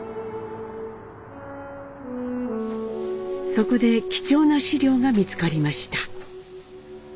そこで貴重な資料が見つかりました。